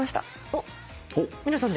おっ皆さんで？